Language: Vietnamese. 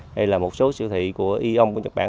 hay là một số siêu thị của eon của nhật bản